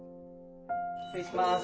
失礼します。